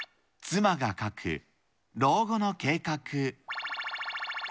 妻が書く老後の計画×××。